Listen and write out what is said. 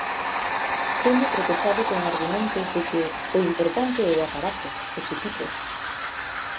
Teño tropezado con argumentos de que "o importante é o aparato, os equipos".